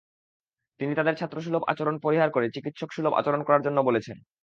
তিনি তাঁদের ছাত্রসুলভ আচরণ পরিহার করে চিকিত্সকসুলভ আচরণ করার জন্য বলেছেন।